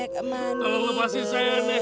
hasilnya momen ya reparasi senang amat pengentes